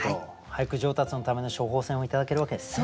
俳句上達のための処方箋を頂けるわけですね。